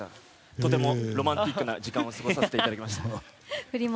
とてもロマンチックな時間を過ごさせていただきました。